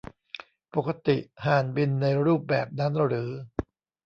ปกติห่านบินในรูปแบบนั้นหรือ